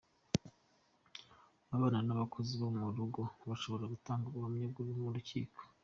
Abana n'abakozi bo mu rugo bashobora gutanga ubuhamya mu rukiko.